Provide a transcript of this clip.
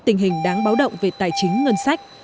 tình hình đáng báo động về tài chính ngân sách